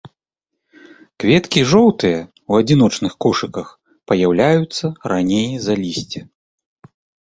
Кветкі жоўтыя ў адзіночных кошыках, паяўляюцца раней за лісце.